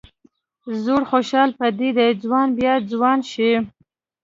زوړ خوشال به په دې ځوان بیا ځوان شي.